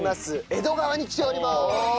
江戸川に来ております！